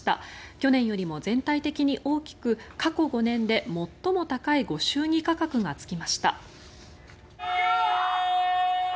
去年よりも全体的に大きく過去５年で最も高いご祝儀価格がつきました。